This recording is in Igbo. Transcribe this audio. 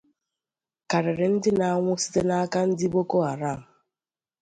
karịrị ndị na-anwụ site n’aka ndị Boko Haram